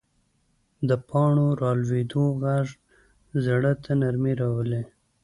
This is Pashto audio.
د پاڼو رالوېدو غږ زړه ته نرمي راولي